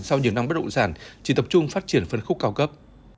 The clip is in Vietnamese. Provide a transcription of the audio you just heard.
sau nhiều năm bất động sản chỉ tập trung phát triển phân khúc cao cấp